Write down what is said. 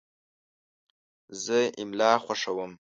زه املا خوښوم.